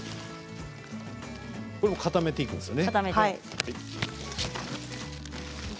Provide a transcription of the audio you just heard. これも固めていいんですよね。